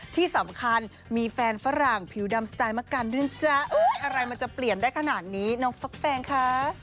ที่สำคัญมีแฟนฝรั่งผิวดำสไตล์มะกันด้วยนะจ๊ะอะไรมันจะเปลี่ยนได้ขนาดนี้น้องฟักแฟงคะ